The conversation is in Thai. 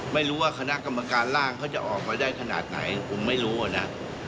ไม่รู้ว่าคณะกรรมการร่างเขาจะออกมาได้ขนาดไหนผมไม่รู้อ่ะนะ